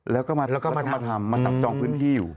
แล้วก็มาทำมาทำพื้นที่อยู่